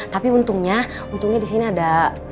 tapi untungnya untungnya di sini ada